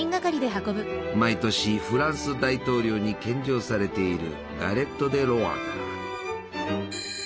毎年フランス大統領に献上されているガレット・デ・ロワだ。